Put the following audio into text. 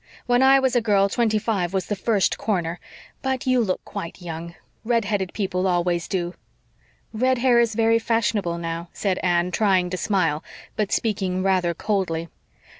When I was a girl twenty five was the first corner. But you look quite young. Red headed people always do." "Red hair is very fashionable now," said Anne, trying to smile, but speaking rather coldly.